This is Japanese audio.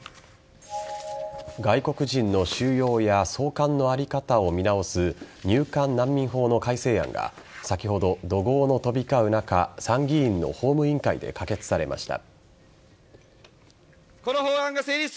外国人の収容や送還の在り方を見直す入管難民法の改正案が先ほど、怒号の飛び交う中参議院の法務委員会で可決されました。